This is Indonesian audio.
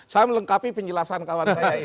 saya melengkapi penjelasan kawan saya ini